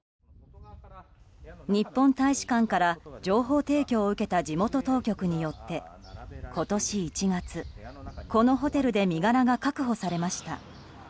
日本大使館から情報提供を受けた地元当局によって今年１月、このホテルで身柄が確保されました。